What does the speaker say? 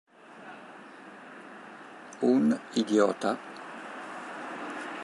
Un idiota".'.